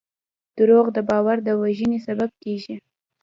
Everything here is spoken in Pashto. دروغ د باور د وژنې سبب کېږي.